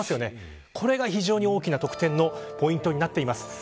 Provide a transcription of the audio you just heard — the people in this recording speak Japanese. これが非常に大きな得点のポイントになっています。